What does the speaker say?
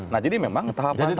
nah jadi memang tahapan tahapan itu